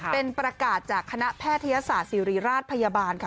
เป็นประกาศจากคณะแพทยศาสตร์ศิริราชพยาบาลค่ะ